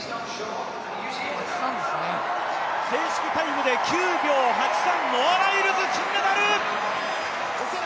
正式タイムで９秒８３、ノア・ライルズ金メダル。